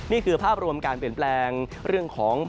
นี่คือภาพรวมการเปลี่ยนแปลงเรื่องของ